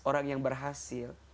orang yang berhasil